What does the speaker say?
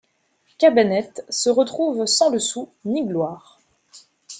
Cabanettes se retrouve sans le sou ni gloire.